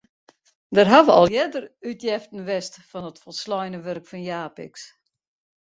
Der hawwe al earder útjeften west fan it folsleine wurk fan Japicx.